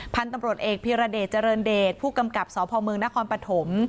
พันธุ์ตำรวจเอกพิรเดชเจริญเดชผู้กำกับสพเมืองนครปฐม